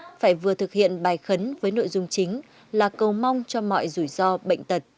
người mông thực hiện quét theo thứ tự trước tiên là quét nơi thờ tổ tiên